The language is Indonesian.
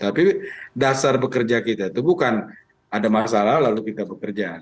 tapi dasar bekerja kita itu bukan ada masalah lalu kita bekerja